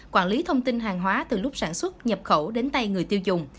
quản lý thông tin hàng hóa từ lúc sản xuất nhập khẩu đến tay người tiêu dùng